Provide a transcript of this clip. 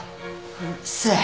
うるせえ。